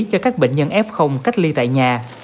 cho các bệnh nhân f cách ly tại nhà